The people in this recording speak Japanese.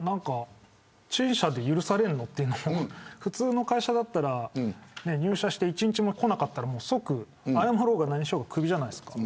陳謝で許されるのというのが普通の会社なら入社して１日も来なかったら謝ろうが何しようがクビじゃないですか。